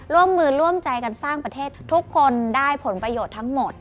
ร่วมมือร่วมใจกันสร้างประเทศทุกคนได้ผลประโยชน์ทั้งหมด